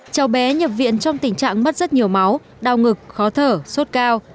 cháu bé nhập viện trong tình trạng mất rất nhiều máu đau ngực khó thở sốt cao